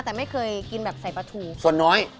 แต่ไม่เคยกินแบบใส่ปลาทูส่วนน้อย